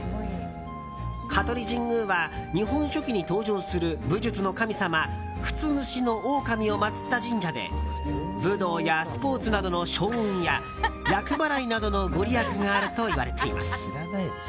香取神宮は日本書紀に登場する武術の神様経津主大神を祭った神社で武道やスポーツなどの勝運や厄払いなどのご利益があるといわれています。